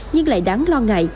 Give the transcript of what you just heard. nhưng lại đáng lo ngại